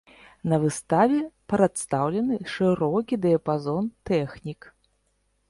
На выставе прадстаўлены шырокі дыяпазон тэхнік.